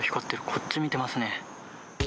こっち見てますね。